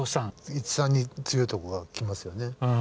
１３に強いとこがきますよね。